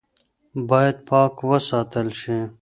باید پاکه وساتل شي.